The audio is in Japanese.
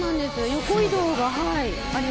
横移動があります。